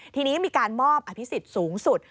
ทีนี้มีการมอบอภิษฎสูงสุด